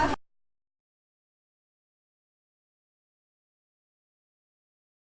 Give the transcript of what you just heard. ขอบคุณมากนะคะ